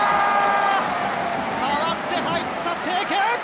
代わって入った清家。